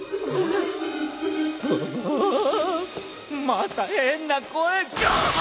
また変な声がっ！